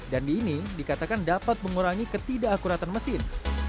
dan di ini dikatakan dapat mengurangi ketidakkuratan mesin